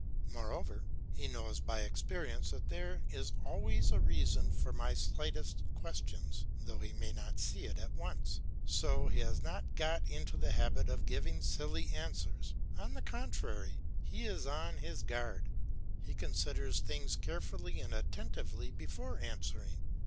Moreover, he knows by experience that there is always a reason for my slightest questions, though he may not see it at once; so he has not got into the habit of giving silly answers; on the contrary, he is on his guard, he considers things carefully and attentively before answering.